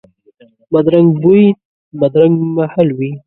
بدرنګ بوی، بدرنګ محل وي